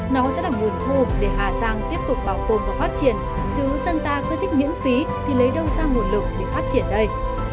nó sẽ là nguồn thu để hà giang tiếp tục bảo tồn và phát triển chứ dân ta cứ thích miễn phí thì lấy đâu ra nguồn lực để phát triển đây